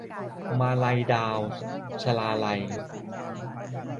มาลัยดาว - ชลาลัย